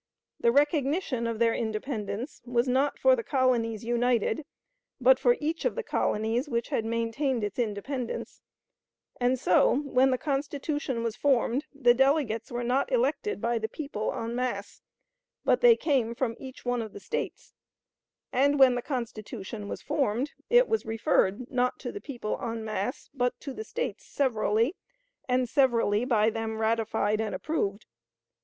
The recognition of their independence was not for the colonies united, but for each of the colonies which had maintained its independence; and so, when the Constitution was formed, the delegates were not elected by the people en masse, but they came from each one of the States; and when the Constitution was formed it was referred, not to the people en masse, but to the States severally, and severally by them ratified and approved.